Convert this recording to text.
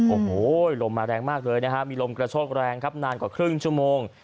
โอ้โหลมมาแรงมากเลยนะฮะมีลมกระโชกแรงครับนานกว่าครึ่งชั่วโมง